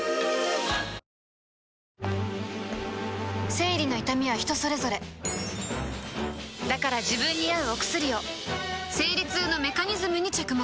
生理の痛みは人それぞれだから自分に合うお薬を生理痛のメカニズムに着目